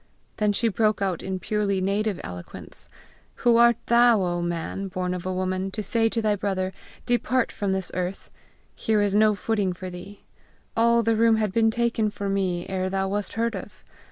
Then she broke out in purely native eloquence: "Who art thou, O man, born of a woman, to say to thy brother, 'Depart from this earth: here is no footing for thee: all the room had been taken for me ere thou wast heard of!